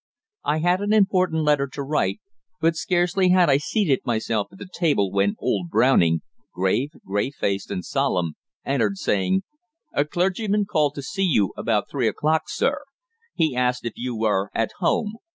I had an important letter to write, but scarcely had I seated myself at the table when old Browning, grave, grey faced and solemn, entered, saying "A clergyman called to see you about three o'clock, sir. He asked if you were at home.